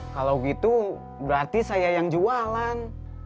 kalau gitu berarti saya yang jualan